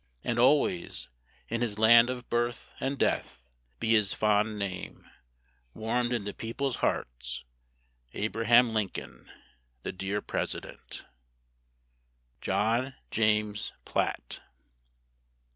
"And always, in his Land of birth and death, Be his fond name warm'd in the people's hearts Abraham Lincoln, the Dear President." JOHN JAMES PIATT.